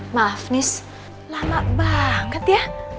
maaf nis lama banget ya